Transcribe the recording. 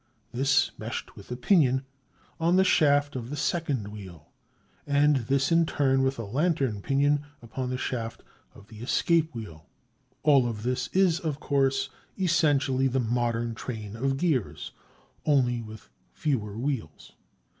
This meshed with a pinion on the shaft of the second wheel, and this in turn with a lantern pinion upon the shaft of the escape wheel. All of this is, of course, essentially the modern train of gears, only with fewer wheels.